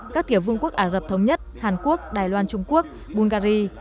các tiểu vương quốc ả rập thống nhất hàn quốc đài loan trung quốc bungary